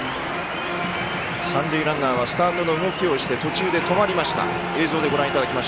三塁ランナーはスタートの動きをして途中で止まりました。